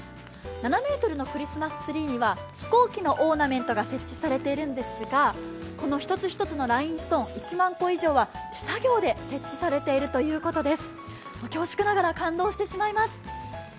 ７ｍのクリスマスツリーには飛行機のオーナメントが設置されているんですがこの一つ一つのラインストーン、１万個以上は手作業で設置されているそうです。